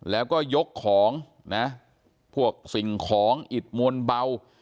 แล้วก็ยกของนะพวกสิ่งของอิดมวลเบา